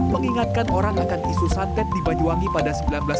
mengingatkan orang akan isu santet di banyuwangi pada seribu sembilan ratus sembilan puluh